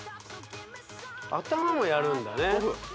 頭もやるんだね